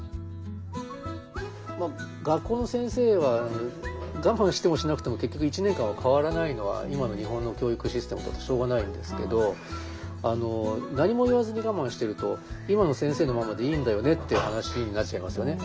学校の先生はガマンしてもしなくても結局１年間は代わらないのは今の日本の教育システムだとしょうがないんですけど何も言わずにガマンしてると今の先生のままでいいんだよねっていう話になっちゃいますよね。